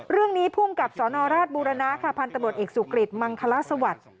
เรื่องนี้ผู้กับสรบุรณะค่ะพันธบทเอกสุกฤทธิ์มังคลาสวรรค์